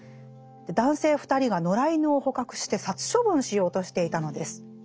男性二人が野良犬を捕獲して殺処分しようとしていたのです。